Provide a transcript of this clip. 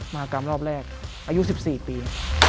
มากรรมรอบแรกอายุ๑๔ปี